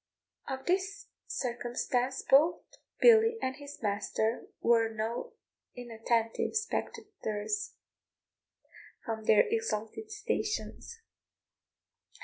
Of this circumstance both Billy and his master were no inattentive spectators from their exalted stations.